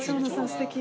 すてき。